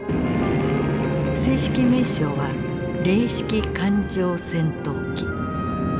正式名称は零式艦上戦闘機。